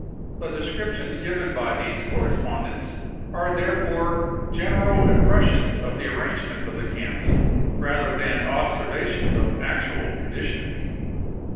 The descriptions given by these correspondents are therefore general impressions of the arrangement of the camps rather than observations of actual conditions.